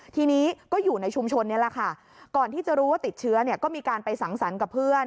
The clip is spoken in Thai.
ทีนี้ก็อยู่ในชุมชนนี้แหละค่ะก่อนที่จะรู้ว่าติดเชื้อเนี่ยก็มีการไปสังสรรค์กับเพื่อน